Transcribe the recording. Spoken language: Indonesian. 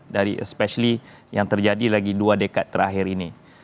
dari specily yang terjadi lagi dua dekad terakhir ini